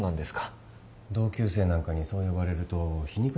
同級生なんかにそう呼ばれると皮肉に聞こえちゃうんですよね。